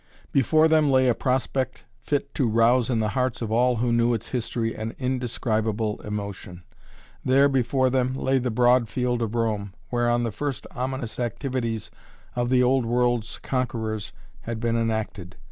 Before them lay a prospect fit to rouse in the hearts of all who knew its history an indescribable emotion. There, before them, lay the broad field of Rome, whereon the first ominous activities of the Old World's conquerors had been enacted.